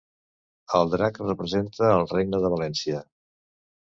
El drac representa al Regne de València.